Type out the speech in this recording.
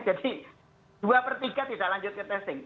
dua per tiga tidak lanjut ke testing